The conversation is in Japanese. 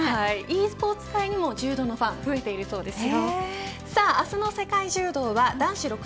ｅスポーツ界にも柔道のファン増えているそうです。